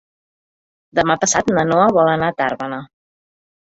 Demà passat na Noa vol anar a Tàrbena.